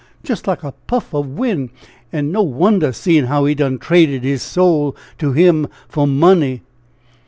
jist like a puff of win'. An' no wonder, seein' how he done traded his soul to him for money!